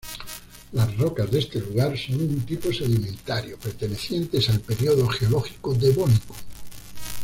Las rocas de este lugar son de tipo sedimentario, pertenecientes al período geológico devónico.